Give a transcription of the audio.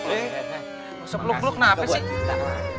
gak usah peluk peluk kenapa sih